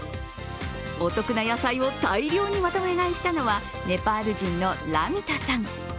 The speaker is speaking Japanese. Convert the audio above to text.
お得な野菜を大量にまとめ買いしたのはネパール人のラミタさん。